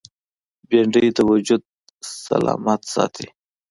بېنډۍ د وجود سلامت ساتي